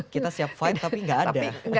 kita siap fight tapi nggak ada